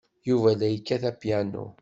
Yuba la yekkat apyanu.